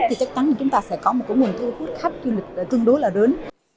thì chắc chắn chúng ta sẽ có một nguồn thu hút khách kinh tế tương đối là lớn